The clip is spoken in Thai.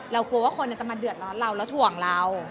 กลัวว่าคนจะมาเดือดร้อนเราแล้วถ่วงเรา